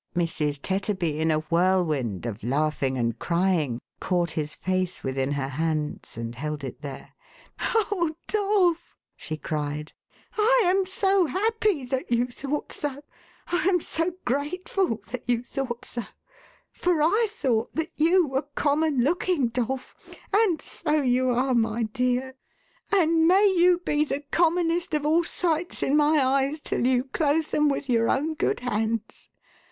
Mrs. Tetterby, in a whirlwind of laughing and crying. caught his face within her hands, and held it there. " Oh, Dolf! " she cried. " I am so happy that you thought so; I am so grateful that you thought so! For I thought that you were common looking, Dolf; and so you aiv. my dear, and may you be the commonest of all sights in my 508 THE HAUNTED MAN. eyes, till you close them with your own good hands.